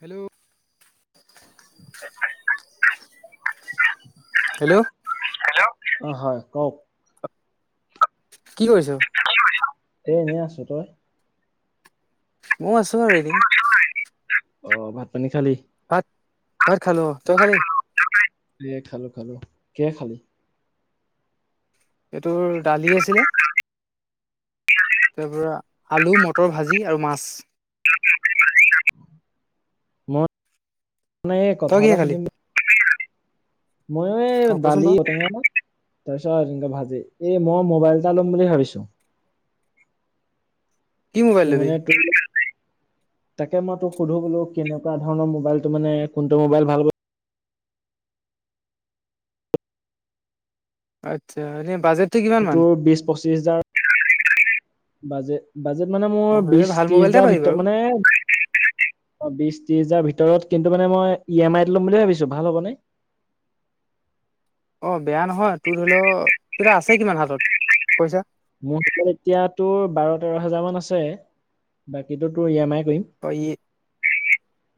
Hello! [inaudible] Hello! Hello, অ হয় কওক? কি কৰিছ? এ এনেই আছো তই? মও আছোঁ আৰু এনে। অ ভাত পানী খালি? ভাত, ভাত খালো অ তই খালি? এই খালো খালো, কিহে খালি? এ টোৰ দালি আছিলে। তাৰ পৰা আলু মটৰ ভাজি, আৰু মাছ। [unintelligible] মই মানে এই তই কথা কিহে এটা খালি? সুধিম বুলি, মইো এই অ কচোন দালি বাৰু ঔটেঙা। তাৰ পিছত এনেকে ভাজি এই মই মোবাইল এটা ল'ম বুলি ভাবিছো। কি ত মোবাইল লবি? মানে ত তাকে মই তোক সুধো বোলো কেনেকুৱা ধৰণৰ মোবাইলটো মানে কোনটো মোবাইল ভাল ব, আচ্ছা এনে বাজেট? তোৰ বিশ পঁচিশ হাজাৰ, বাজেট, বাজেট মানে অ মোৰ বিশ ভাল ত্ৰিশ মোবাইল এটা হাজাৰ পাবি বাৰু ভিতৰত মানে অঁ, বিশ ত্ৰিশ হাজাৰ ভিতৰত কিন্তু মানে মই ই এম আইত ল'ম বুলি ভাবিছো ভাল হ'ব নে? অঁ, বেয়া নহয় তোৰ ধৰি লও এতিয়া আছে কিমান হাতত পইচা? মোৰ হাতত এতিয়া তোৰ বাৰ, তেৰ হোজাৰ মান আছে বাকী তোৰ ই এম আই কৰিম। অ ই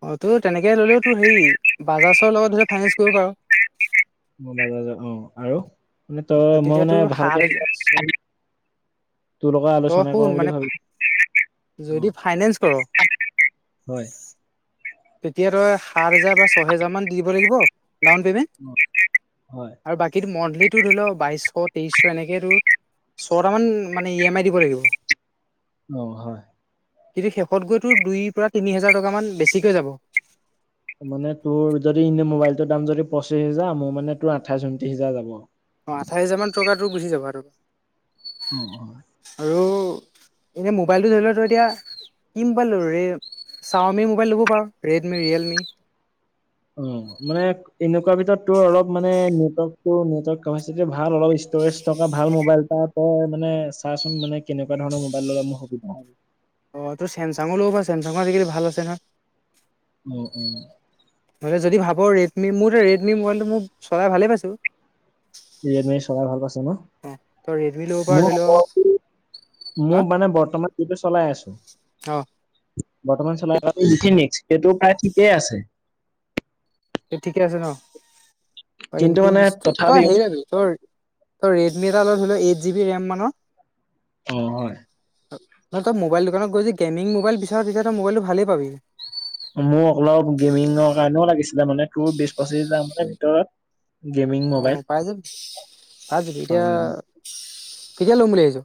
অ, তোৰ তেনেকে ল'লেও তোৰ হেৰি বাজাজৰ লগত ধৰি ফাইনেন্স কৰিব পাৰ। বাজাজৰ অঁ, আৰু মানে তই মই তেতিয়া মানে তোৰ সাত ভালকে হাজাৰ তোৰ লগৰ তই আলোচনা শুন কৰো মানে বুলি ভাবিছো। অ যদি ফাইনেন্স ক'ৰ' হয়। তেতিয়া তই সাত হেজাৰ বা ছয় হেজাৰ মান দিব লাগিব ডাউন পেমেণ্ট। হয়। আৰু বাকী তোৰ মন্থলীটো ধৰি লও বাইশ তেইশশ এনেকে তোৰ চয়টা মান মানে ই এম আই দিব লাগিব। অ, হয়। কিন্তু শেষত গৈ তোৰ দুই পৰা তিনি হাজাৰ টকা মান বেছিকৈ যাব। মানে তোৰ যদি এনেই মোবাইলটোৰ দাম যদি পচিশ হাজাৰ মোৰ মানে তোৰ আঠাইশ ঊনত্ৰিশ হাজাৰ যাব। অঁ, আঠাইছ হাজাৰ মান টকা তোৰ গুচি যাবা আৰু। অ, অ। আৰু এনে মোবাইলটো ধৰি ল তোৰ এতিয়া কি মোবাইল ল'ব, ৰেমে, চাওমে মোবাইল ল'ব পাৰ ৰেডমি, ৰিয়েলমি। উম, মানে এনেকুৱা ভিতৰত তোৰ অলপ মানে নেটৰ্কটো নেটৰ্ক কোচিটি ভাল অলপ ষ্টৰেজ থকা ভাল মোবাইল এটা তই মানে চাচোন মানে কেনেকুৱা ধৰণৰ মোবাইল ললে মোৰ সুবিধা হয়। অঁ, তোৰ চছেমচাঙ ল'ব পৰা চছেমচাঙ আজিকালি ভাল আছে নহয়। উম, উম। নহ'লে যদি ভাব ৰেডমি মোৰতো ৰেডমি মোবাইলটো মোৰ চলাই ভালেই পাইছোঁ। ৰেডমি চলাই ভাল পাইছে ন? অ তই ৰেডমি ল'ব পাৰ' মোৰ ধৰি ল মোৰ মানে বৰ্তমান যিটো চলাই আছো অ বৰ্তমান চলাই থকাটো ইনফিনিক্স সেইটো প্ৰায় ঠিকেই আছে। এইটো ঠিকে আছে ন? অ কিন্তু মানে ইনফিনিক্সটো তই তথাপিও হেৰি লবি তোৰ তই ৰেডমি এটা ল ধৰ, এইট জিবি ৰেম মানৰ। অঁ, হয়। তই মোবাইল দোকানত গৈ যদি গেমিং মোবাইল বিচাৰ তেতিয়া তই মোবাইলটো ভালেই পাবি। মোৰ অলপ গেমিঙৰ কাৰণেও লাগিছিলে মানে তোৰ বিশ পঁচিশাৰ মানে ভিতৰত। গেমিং মোবাইল অঁ, পাই যাবি পাই যাবি, পাব এতিয়া লাগিব কেতিয়া ল'ম বুলি ভাবিছ?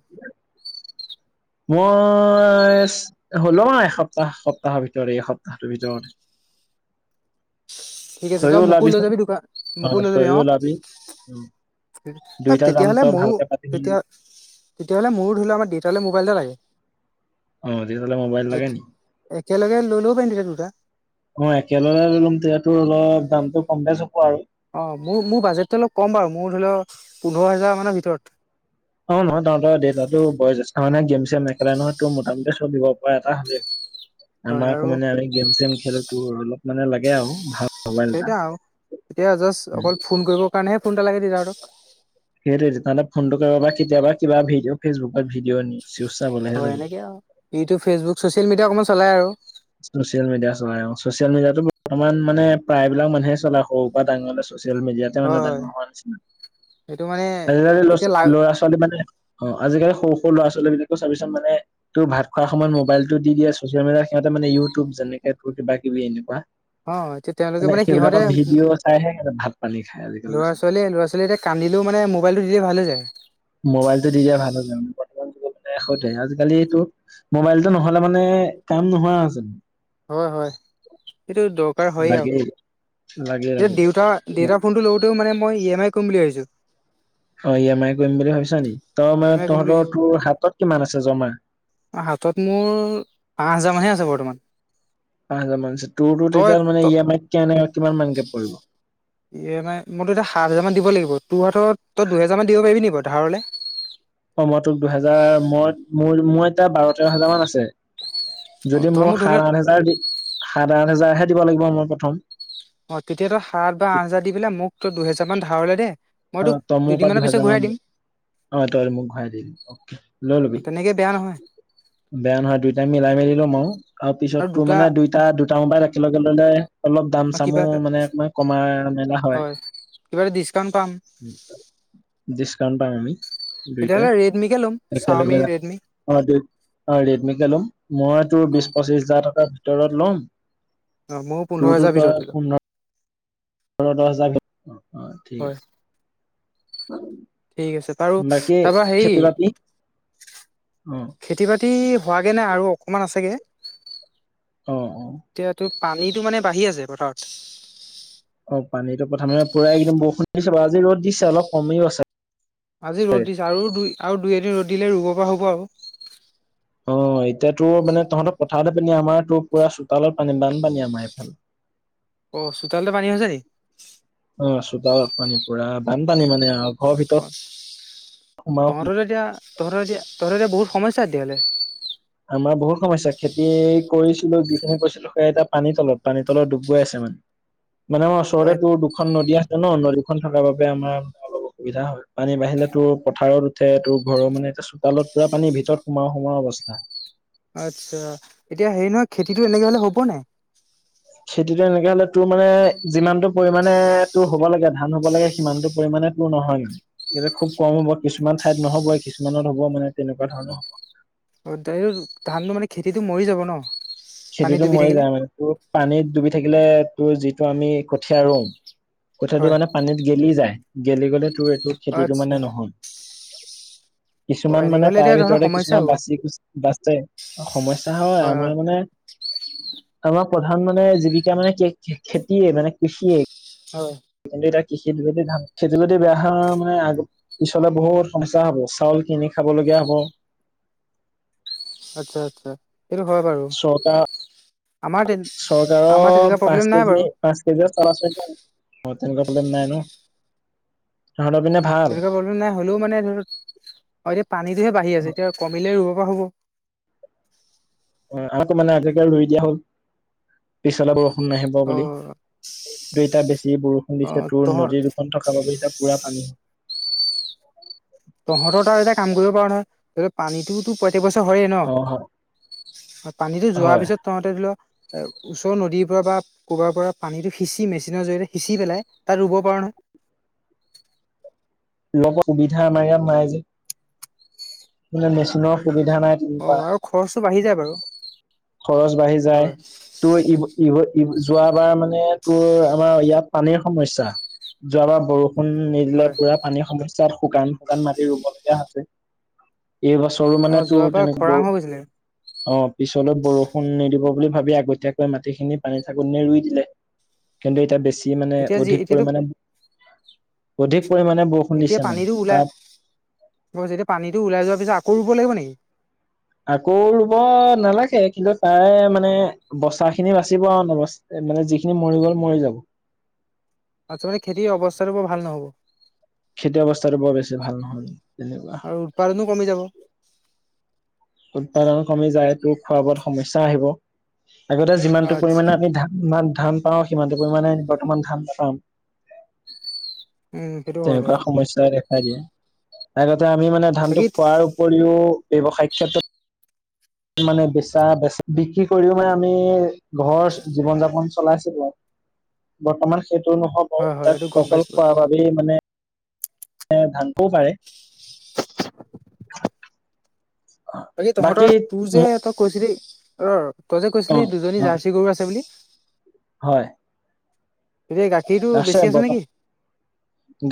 মই লম আৰু এসপ্তাহ সপ্তাহৰ ভিতৰ এসপ্তাহটোৰ ভিতৰতে। [inaudible] ঠিক আছে, তই তইও মোকো লৈ ওলাবিচোন যাবি দোকান অ মোকো লৈ যাবি, তইও অ। ওলাবি দুইটা যাম তেতিয়াহ'লে তই মইয়ো ভালকে পাতি তেতিয়া মেলি তেতিয়াহ'লে মোৰো ধৰি লও আমাৰ দেউতালৈ মোবাইল এটা লাগে। অ তেতিয়াহ'লে মোবাইল লাগে একে, নি একেলগে লৈ ল'ব পাৰিম তেতিয়া দুটা। অঁ, একেলগে লৈ লম তেতিয়া তোৰ অলপ দামটো কম বেছ হব আৰু। অঁ, মোৰ মোৰ বাজেটটো অলপ কম বাৰু মোৰ ধৰি লও পোন্ধৰ হোজাৰ মানৰ ভিতৰত। অঁ, নহয় তাহঁতৰ দেউতাতো বয়জেষ্ঠ গেম চেমে নেখেলে নহয় তোৰ, মোটামুটি চলিব পৰা এটা হলেই। হয় আমাৰ আকৌ আৰু মানে আমি গেম চেম খেলোটো অলপ মানে লাগে আৰু ভাল মোবাইল এটা। সেইটোৱে আৰু এতিয়া জাষ্ট উম। অকল ফোন কৰিবৰ কাৰণেহে ফোন এটা লাগে দেউতাহঁতক। সেইটোয়েটো তাহাতি ফোনটো কৰিব কেতিয়াবা কিবা ভিডিঅ' ফেচবুকত ভিডিঅ' এনে হয়, এনেকে আৰু ইউটিউব ফেচবুক চচিয়েল মিডিয়া অকণমান চলাই আৰু। চচিয়েল মিডিয়া চলাই অ'। ছচিয়েল মিডিয়াতো বৰ্তমান মানে প্ৰায়বিলাক মানুহে চলাই সৰুৰ পৰা ডাঙৰলে ছচিয়েল মিডিয়াত তে হয় হয় ডাঙৰ হোৱা নিচিনা, সেইটো মানে আজিকালি ল'ৰা এতিয়া লা ছোৱালী ল'ৰা ছোৱা ছোৱালী মানে অ' আজিকালি সৰু সৰু ল'ৰা ছোৱালী বিলাকো চাবিচোন মানে তোৰ ভাত খোৱাৰ সময়ত মোবাইলটো দি দিয়ে ছচিয়েল মিডিয়াৰ সিহঁতে মানে ইউটিউব যেনেকে তোৰ কিবা কিবি এনেকুৱা। অ এতিয়া তেওঁলোকে মানে সিহঁতে সেইবিলাকৰ ভিডিঅ' চাইহে ভাত পানী খাই আজিকালি ল'ৰা [unintelligible] ছোৱালী ল'ৰা ছোৱালী কান্দিলেও মানে মোবাইলটো দিলে ভাল হৈ যায়। মোবাইলটো দি দিয়াই ভাল হয় যায়। সতে আজিকালিটো মোবাইলটো নহ'লে মানে কাম নোহোৱা আছে। হয় হয় এইটো দক দৰকাৰ হয়ে লাগে লাগে আৰু এতিয়া লাগে দেউতা দেউতাৰ ফোনটো লওঁতেও মানে মই ই এম আই কৰিম বুলি ভাবিছোঁ। অ' ই এম আই কৰিম বুলি ভাবিছা নেক তই ই মে এম আই কৰিম বুলি তহঁতৰ ভাবিছো তোৰ হাতত কিমান আছে জমা? হাতত মোৰ পাঁচ হাজাৰ মানহে আছে বৰ্তমান। পাঁচ হাজাৰ মান আছে তোৰ তো তই তেতিয়া ত মানে ই এম আইত কেনে কিমান মানকে পৰিব? ই এম আই মইতো এতিয়া সাত হাজাৰমান দিব লাগিব। তোৰ হাতত তই দুহেজাৰ মান দিব পাৰি নি বাৰু ধাৰলৈ? অ' মই টোক দুহেজাৰ মত মোৰ মোৰ এতিয়া বাৰ তেৰ হাজাৰ মান আছে। অ যদি তই মোক মোৰ ধৰি ল সাত আঠ হেজাৰ দি, সাত আঠ হেজাৰহে দিব লাগিব মই প্ৰথম। অ' তেতিয়া তই সাত বা আঠ হাজাৰ দি পেলাই মোক তই দুহেজাৰ মান ধাৰলে দেই। অ' তই মোৰ পৰা দুহেজাৰ মান ল। অ' তই মোক ঘূৰাই দি দিবি। অ' লৈ লবি। তেনেকে বেয়া নহয় বেয়া নহয় দুইটাই মিলাই মেলি লম আৰু পিছত তোৰ মানে দুই এটা দুটা মোবাইল একেলগে ল'লে অলপ দাম কিবা চামো এটা মানে অকমান কমা মেলা হয়। কিবা এটা ডিছকাউণ্ট পাম। ডিছকাউণ্ট পাম আমি দুইটাই। তেতিয়াহ'লে [unintelligible] লম একেলগে চাউমি যাম ৰেড্মি অ' [unintelligible] অ' ৰেডমিকে ল'ম। মই তোৰ অ বিশ পঁচিশ হাজাৰ টকা লম অ ময়ো পোন্ধৰ তোৰটো হাজাৰ তই ভিতৰতে ল'ম [unintelligible] পোন্ধয দহ হাজাৰত। অ' ঠিক হয় আছে। ঠিক আছে বাৰু বাকী তাৰপৰা হেৰি উম। খেতি বাতি হোৱাগৈ নাই আৰু অকণমান আছেগে। অ', অ'। এতিয়াতো পানীটো মানে বাঢ়ি আছে পথাৰত। অ' পানীটো প্ৰথমে পুৰা একদম বৰষুণ দি বাৰু। আজি ৰ'দ দিছে অলপ কমিও আছে। আজি ৰ'দ দিছে আৰু দুই আৰু দুই, এদিন ৰ'দ দিলে ৰুব পৰা হ'ব আৰু। অ' এতিয়া তোৰ মানে তহঁতৰ পথাৰতে পানী আমাৰ তোৰ পুৰা চোতালত পানী, বানপানী আমাৰ এইফাল অ' চোতালতে পানী হৈছে নি। অ' চোতালত পানী পুৰা বানপানী মানে আৰু ঘৰৰ অ ভিতৰত সোমাও তহঁতৰো এতিয়া তহঁতৰ এতিয়া, তহঁতৰ এতিয়া বহুত সমস্যা তেতিয়া হ'লে। আমাৰ বহুত সমস্যা। খেতি কৰিছিলো যিখিনি কৰিছিলো সেইয়া এতিয়া পানীৰ তলত পানী তলত ডুব গৈ আছে মানে। [inaudible] মানে আমাৰ ওচৰতে হয় তোৰ দুখন নদী আছে ন, নদীখন থকাৰ বাবে আমাৰ অসুবিধা হয়, পানী বাঢ়িলে তোৰ পথাৰত উঠে তোৰ ঘৰৰ মানে এতিয়া চোতালত পুৰা পানীৰ ভিতৰত সোমাও-সোমাও অৱস্থা। আচ্ছা, এতিয়া হেৰি নহয় খেতিটো এনেকৈ হ'লে হ'ব নাই? খেতিটো এনেকে হ'লে তোৰ মানে যিমানতটো পৰিমানে তোৰ হ'ব লাগে, ধান হ'ব লাগে সিমানতটো পৰিমাণে নহয় কিন্তু, এতিয়া খুব কম হ'ব কিছুমান ঠাইত নহ'ব কিছুমানত হ'ব মানে তেনেকুৱা ধৰণৰ হ'ব। অ', ধানটো মানে খেতিটো মৰি যাব ন। পানী খেতিটো ডুবি মৰি থাকিলে যায় মানে, তোৰ পানীত ডুবি থাকিলে তোৰ যিটো আমি কঠীয়া ৰুম। কথাটো হয় মানে পানীত গেলি যায়। গেলি গ'লে তোৰ এইটো খেতিটো আচ্ছা মানে নহল। অ কিছুমান এনেকে মানে হ'লে তাৰে এতিয়া তহঁতৰ ভিতৰতে সমস্যা কিছুমান হ'ব বাচি-কুচি বাচে। সমস্যা হয়। আমাৰ মানে আমাৰ প্ৰধান মানে জীৱিকা মানে খেতিয়ে মানে কৃষিয়ে। হয়। কিন্তু এতিয়া কৃষিত যদি ধান, খেইটো যদি বেয়া হয় মানে আগ পিছলে বহুত সমস্যা হ'ব চাউল কিনি খাব লগীয়া হব। আচ্ছা, আচ্ছা। সেইটো হয় বাৰু, চৰকাৰ আমাৰ তে, আমাৰ তেনেকুৱা প্ৰব্লেম নাই বাৰু। পাঁচশ কেজি চাউল আছে ন, অঁহ', তেনেকুৱা প্ৰব্লেম নাই ন? তহঁতৰ পিনে ভাল তেনেকুৱা প্ৰব্লেম নাই হ'লেও মানে ধৰক, এতিয়া পানীটোহে বাঢ়ি আছে এতিয়া কমিলেই ৰুব পৰা হ'ব। অ', আকৌ মানে আজি-কালি ৰুই দিয়া হ'ল, পিছেলে বৰষুণ নাহিব অ বুলি। দুই এটা বেছি বৰষুণ অ দিছে তোৰ তহত নদী দুখন থকা বাবে এতিয়া পুৰা পানী হয়। তহঁতৰ তাত এটা কাম কৰিব পাৰা নহয়, পানীতটোতো প্ৰত্যেক বছৰ হয়ই অ হয় ন'। পানীতো যোৱাৰ হয় পিছত তহঁতে ধৰি লও, এ ওচৰৰ নদীৰ পৰা বা কবাৰ পৰা পানীটো সিঁচি মেচনৰ জৰিয়তে সিচি পেলাই তাত ৰুব পাৰো ন'। লগত সুবিধা আমাৰ ইয়াত নাই যে। মানে মেচিনৰ সুবিধা নাই। তেনেকুৱা অ', আৰু খৰচটো বাঢ়ি যায় বাৰু। খৰচ বাঢ়ি যায়, হয় তোৰ যোৱাবাৰ মানে তোৰ আমাৰ ইয়াত পানীৰ সমস্যা, যোৱাবাৰ বৰষুণ নিদিলে হয় পুৰা পানীৰ সমস্যাত শুকান শুকান মাটি ৰুবলগীয়া হৈছে। এইবছৰো অ মানে তোৰ যোৱাবাৰ তেনেক খৰাং বৰ হৈ গৈছিলে অঁহ', পিছলৈত বৰষুণ নিদিব বুলি ভাবি আগতীয়াকৈ মাটিখিনি পানী থাকনি ৰুই দিলে। কিন্তু এতিয়া বেছি মানে এতিয়া যি অধিক এতিয়াতো পৰিমাণে, অধিক পৰিমাণে ব বৰষুণ দিছে মানে, তাত বৰষুণৰ যেতিযা পানী ওলাই যোৱাৰ পিছত আকৌ ৰুব লাগিব নেকি? আকৌ ৰুব নালাগে কিন্তু তাৰে মানে বচা খিনি বাচিব আৰু নবচা এ মানে যিখিনি মৰি গ'ল মৰি যাব। আচ্ছা মানে খেতি অৱস্থাটো বৰ ভাল নহব। খেতি অৱস্থাটো বৰ বেছি ভাল নহল, তেনেকুৱা। আৰু উৎপাদনো কমি যাব। উৎপাদন কমি যায় তটো খোৱা বোৱাত সমস্যা আহিব, আগতে যিমানটো আচ্ছা পৰিমাণে আমি ধ ইমান ধান পাওঁ সিমানটো পৰিমাণে বৰ্তমান ধান নাপাওঁ। উম। সেইটো হয় তেনেকুৱা বাৰু সমস্যা দেখা দিয়ে, আগতে আমি মানে বাকী ধানটো খোৱাৰ উপৰিও ব্যৱসায়িক ক্ষেত্ৰত মানে বেচা বেচ বিক্ৰী কৰিও মানে আমি ঘৰ জীৱন যাপন চলাইছিলো আৰু বৰ্তমান সেইটো নহব হয় হয় এইটো তাত গম অকল পাইছো বাৰু। খোৱাৰ বাবেই মানে এ ধানটো বাঢ়ে। বাকি বাকী তহঁতৰ তোৰ যে ইহঁতক কৈছিলি অ' তই যে অ কৈছিলি দুজনী জাৰ্চি গৰু আছে বুলি। হয়। গা আছে বৰ্তমান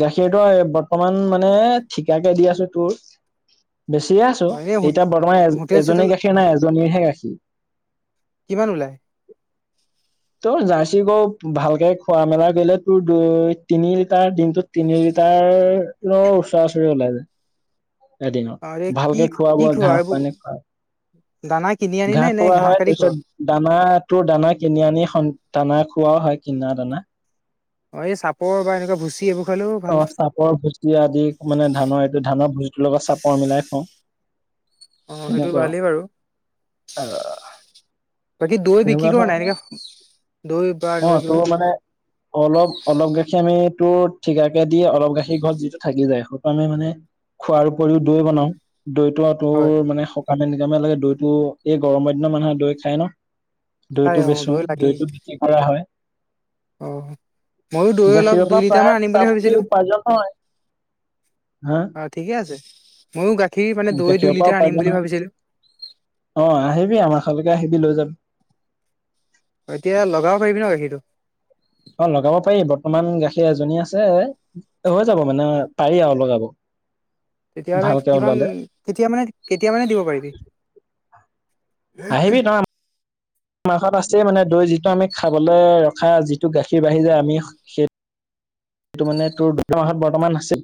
গাখীৰটো বৰ্তমান মানে ঠিকাকে দি আছোঁ তোৰ বেছিয়ে আছোঁ অ এনে এতিয়া বৰ্তমান এ হোটেল এজনী চোটেল গাখীৰ নাই এজনীৰহে গাখীৰ কিমান ওলায়? তোৰ জাৰ্চি গৰুক ভালকে খোৱা মেলা কৰিলে তোৰ দুই তিনি লিটাৰ দিনটোত তিনি লিটাৰ ওচৰা ওচৰি ওলাই যায়। অ এ এদিনত কি ভালকে খোৱা কি বোৱা ঘাঁহ এইবোৰ পানী খোৱাই দানা কিনি আনি নে নে ঘাঁহ হয় কাটি খো তাৰপিছত দানা তোৰ দানা কিনি আনি দানা খোৱা হয় কিনা দানা। অ', এই চাপৰ বা এনেকুৱা ভুচি এইবোৰ খালেও ভাল অ', চাপৰ ভুচি আদি মানে ধানৰ এইটো ধানৰ ভুচিটোৰ লগত চাপৰ মিলাই খোৱাও। অ', সেইটো ভালেই বাৰু। আহ, বাকী দৈ বিকি তেনেকুৱা ক'ৰ নাই ধৰণৰ এনেকে দৈ? বা এনেকুৱা অ', কিবা তোৰ মানে অলপ অলপ গাখীৰ আমি তোৰ ঠিকাকে দি অলপ গাখীৰ ঘৰত যিটো থাকি যায় সেইটো আমি মানে খোৱাৰ উপৰিও দৈ বনাওঁ দৈটো হয় তোৰ মানে সকামে নিকামে লাগে দৈটো এই গৰমৰ দিনত মানুহে দৈ খায় ন'। খাই দৈটো অ বেচো দৈ লাগেই। দৈটো বিক্ৰী কৰা হয়। অ ময়ো দৈ অলপ গাখীৰৰ দুই পৰা লিটাৰ মান প্ৰায় আনিম বুলি মোটামুটি ভাবিছিলো উপাৰ্জন হয়। হাঁ। অ ঠিকে আছে ময়ো গাখীৰ মানে দৈ দুই গাখীৰৰ পৰা লিটাৰ আনিম উপাৰ্জন বুলি হয় ভাবিছিলোঁ। অ', আহিবি আমাৰ [unintelligible] আহিবি লৈ যাবি। এতিয়া লগাব পাৰিবি ন' গাখীৰটো? অ', লগাব পাৰি বৰ্তমান গাখীৰ এজনী আছে হৈ যাব মানে পাৰি আৰু লগাব। তেতিয়াহলে ভালকে কিমান ওলালে কেতিয়া মানে কেতিয়া মানে দিব পাৰিবি? আহিবি তই [inaudible] মাহত আছেই মানে দৈ যিটো আমি খাবলৈ ৰখা যিটো গাখীৰ বাঢ়ি যায় আমি সেইটো মানে তোৰ দুটা মাহত বৰ্তমান আছিল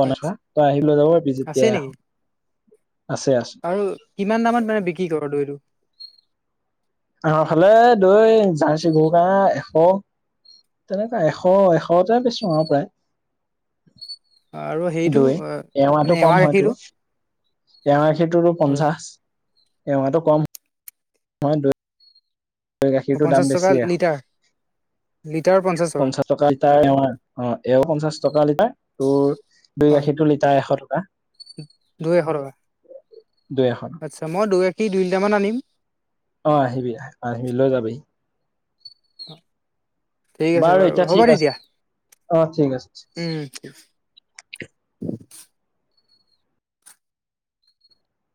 বনাব তই আহি লৈ যাব [unintelligible] আছে যেতিয়াই নেকি আহ', আছে আছে। আৰু কিমান দামত মানে বিক্ৰী ক'ৰ দৈটো? আমাৰ ফালে দৈ জাৰ্চি গৰুকাৰনে এশ তেনেকুৱা এশ এশটা পাইছো আৰু প্ৰায় আৰু হেৰিটো দৈ মানে এমাহটো এৱা কম হয় গাখীৰটো তোৰ [unintelligible] গাখীৰটোতো হয় পঞ্চাশ এমাহটো কম [unintelligible] দৈ অ', গাখীৰটোৰ পঞ্চাছ দাম টকা বেছি লিটাৰ, লিটাৰত পঞ্চাছ টকা? পঞ্চাশ টকা লিটাৰৰ অ', এশ পঞ্চাশ টকা লিটাৰ তোৰ দৈ হয় গাখীৰটোৰ লিটাৰ এশ টকা। দৈ এশ টকা দুই এখন আতচ্ছা। মই দৈ গাখীৰ দুই লিটাৰ মান আনিম। অ, আহিবি- আহিবি লৈ যাবি। ঠিক আছে বাৰু। এতিয়া হ'ব ঠিক আছে তেতিয়া, অ ঠিক আছে। আমাৰ এই উম।